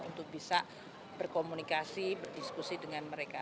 untuk bisa berkomunikasi berdiskusi dengan mereka